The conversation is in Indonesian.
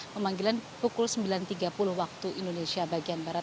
pemanggilan pukul sembilan tiga puluh waktu indonesia bagian barat